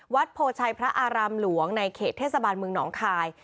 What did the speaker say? โพชัยพระอารามหลวงในเขตเทศบาลเมืองหนองคาย